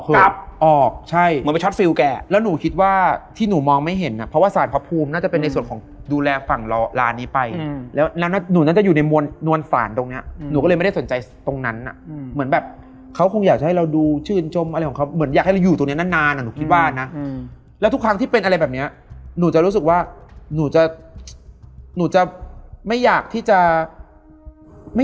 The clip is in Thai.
เราก็พยายามบอกเขาตลอดว่า